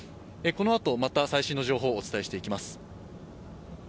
このあと、また最新の情報をお伝えしていきます。